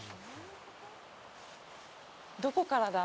どこからだ？